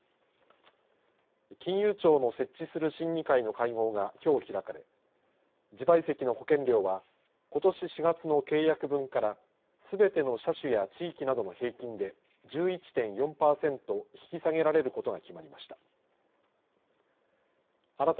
金融庁の設置する審議会の会合がきょう開かれ自賠責の保険料はことし４月の契約分からすべての車種や地域などの平均で１１．４パーセント引き下げられることが決まりました。